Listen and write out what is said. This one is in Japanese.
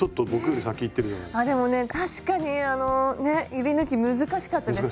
指ぬき難しかったです。